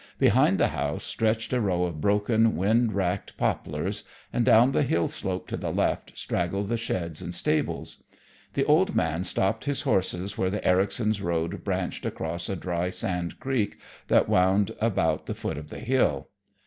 Behind the house stretched a row of broken, wind racked poplars, and down the hill slope to the left straggled the sheds and stables. The old man stopped his horses where the Ericsons' road branched across a dry sand creek that wound about the foot of the hill.